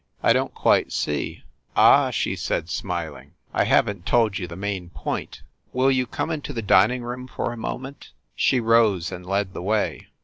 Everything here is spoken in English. I don t quite see !" "Ah!" she said, smiling. "I haven t told you the main point. Will you come into the dining room for a moment ?" She rose and led the way.